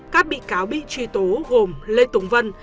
các bị cáo bị truy tố gồm lê tùng vân